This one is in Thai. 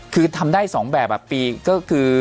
คือทำได้๒แบบปีก็คือ